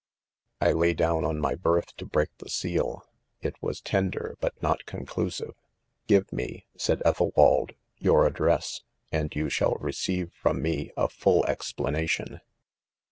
• 6 1 lay down on my berth to break the sea! ; it was tender but not conclusive —" give me," said Ethelwald, " your address, and you shall receive from me a full explanation."